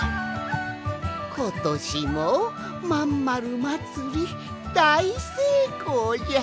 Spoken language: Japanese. ことしもまんまるまつりだいせいこうじゃ。